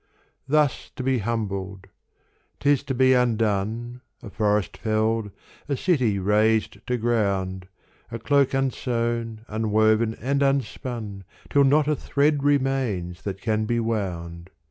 Thus to be humbled : 't is to be undone, A forest felled, a city razed to ground, A cloak unsewn, unwoven and unspun Till not a thread remains that can be wound.